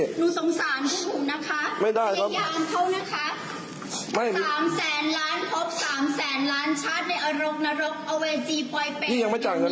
หนูสงสารพี่ผมนะคะไม่ได้ครับพี่ย้ำเท่านี้ค่ะไม่